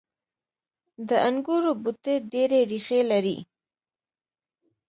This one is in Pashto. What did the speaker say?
• د انګورو بوټي ډیرې ریښې لري.